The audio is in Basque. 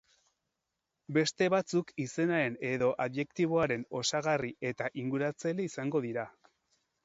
Beste batzuk izenaren edo adjektiboaren osagarri eta inguratzaile izango dira.